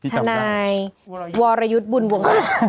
ทนายวรยุทธ์บุญวงศ์